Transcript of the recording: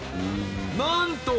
なんと！